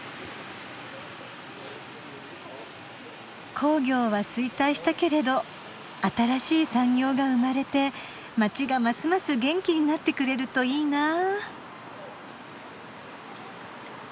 工業は衰退したけれど新しい産業が生まれて街がますます元気になってくれるといいなぁ。